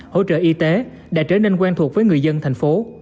hỗ trợ y tế đã trở nên quen thuộc với người dân thành phố